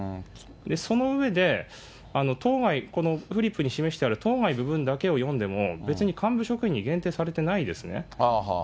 その上で、当該、このフリップに示してある当該部分だけを読んでも、別に幹部職員に限定されていないですね。